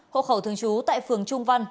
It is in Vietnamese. hộ khẩu thương chú tại phường trung văn